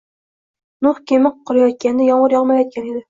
Nuh kema qurayotganda yomg’ir yog’mayotgan edi